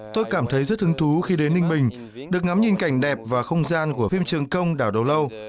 tôi cảm thấy rất hứng thú khi đến ninh bình được ngắm nhìn cảnh đẹp và không gian của phim trường công đảo đầu lâu